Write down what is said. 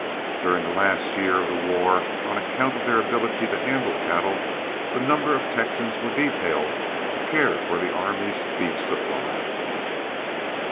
During the last year of the war, on account of their ability to handle cattle, a number of Texans were detailed to care for the army's beef supply.